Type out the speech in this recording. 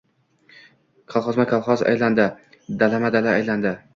Kolxozma-kolxoz aylandi. Dalama-dala aylandi.